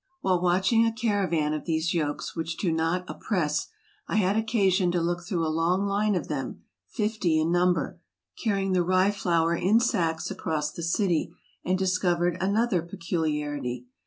While watching a caravan of these yokes which do not oppress, I had occasion to look through a long line of them, fifty in number, carrying the rye flour in sacks across the city, and discovered another peculiarity.